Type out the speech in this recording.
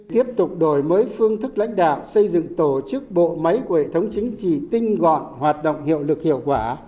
tiếp tục đổi mới phương thức lãnh đạo xây dựng tổ chức bộ máy của hệ thống chính trị tinh gọn hoạt động hiệu lực hiệu quả